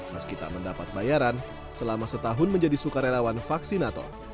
meskipun mendapat bayaran selama setahun menjadi sukarelawan vaksinator